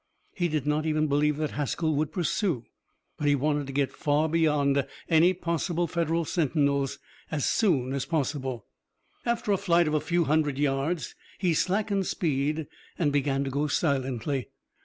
He did not even believe that Haskell would pursue, but he wanted to get far beyond any possible Federal sentinels as soon as possible. After a flight of a few hundred yards he slackened speed, and began to go silently.